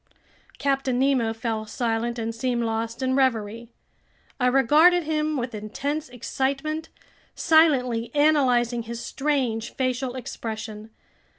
Captain Nemo fell silent and seemed lost in reverie. I regarded him with intense excitement, silently analyzing his strange facial expression.